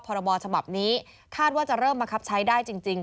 พรบฉบับนี้คาดว่าจะเริ่มบังคับใช้ได้จริง